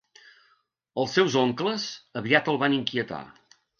Els seus oncles aviat el van inquietar.